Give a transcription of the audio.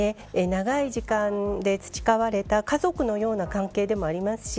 長い時間で培われた家族のような関係でもありますし